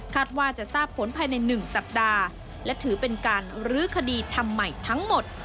ว่าจะทราบผลภายใน๑สัปดาห์และถือเป็นการรื้อคดีทำใหม่ทั้งหมด